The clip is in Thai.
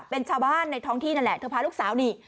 เป็นชาวบ้านในท้องที่นั่นแหละเธอพาลูกสาวนี่